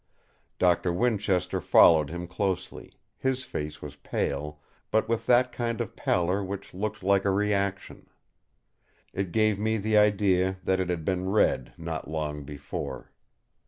Doctor Winchester followed him closely; his face was pale, but with that kind of pallor which looked like a reaction. It gave me the idea that it had been red not long before.